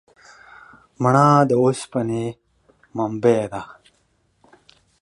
مڼه د اوسپنې منبع ده.